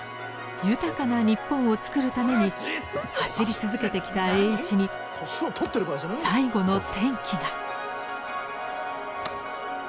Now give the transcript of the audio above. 豊かな日本を作るために走り続けてきた栄一に最後の転機が。